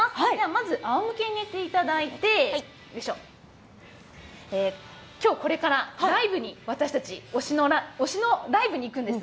まず、あおむけに寝ていただいて、きょうこれからライブに、私たち、推しのライブに行くんです。